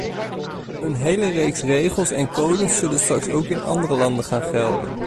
Een hele reeks regels en codes zullen straks ook in andere landen gaan gelden.